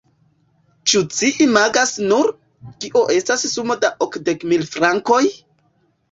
Ĉu ci imagas nur, kio estas sumo da okdek mil frankoj?